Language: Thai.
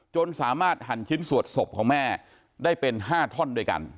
จนสามารถหั่นชิ้นสวดศพของแม่ได้เป็น๕ท่อนด้วยกัน